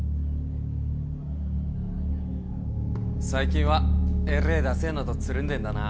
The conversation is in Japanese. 最近はえれえダセえのとつるんでんだな。